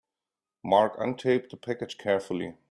Mark untaped the package carefully.